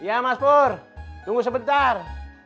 ya mas pur tunggu sebentar